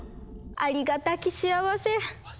ありがたき幸せ。